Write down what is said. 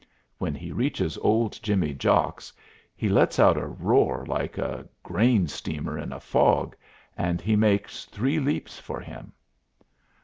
When he reaches old Jimmy Jocks he lets out a roar like a grain steamer in a fog, and he makes three leaps for him.